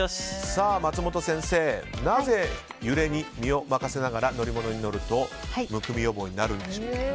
松本先生、なぜ揺れに身を任せながら乗り物に乗るとむくみ予防になるんでしょうか。